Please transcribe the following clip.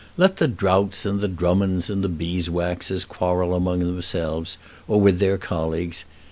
Let the Droughts and the Drummonds and the Beeswaxes quarrel among themselves or with their colleagues.